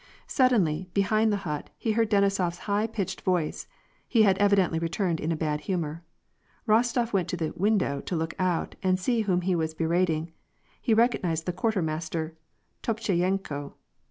Suddenly, behind the hut, he heard Denisof s high pitched voice: he had evidently returned in a bad humor. Rostof went to the " window " to look out and see whom he was be rating ; he recognized the quartermaster, Topcheyenko.